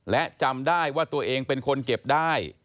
และจำได้ว่าตัวเองเป็นคนเก็บได้